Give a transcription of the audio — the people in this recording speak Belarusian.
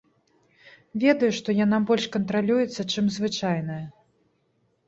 Ведаю, што яна больш кантралюецца, чым звычайная.